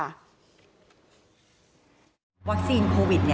ก็คือเป็นการสร้างภูมิต้านทานหมู่ทั่วโลกด้วยค่ะ